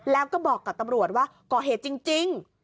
แล้วก็บอกกับตำรวจว่าก่อเหตุจริง